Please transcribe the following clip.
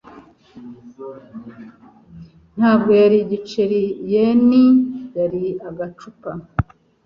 Ntabwo yari igiceri yen yari agacupa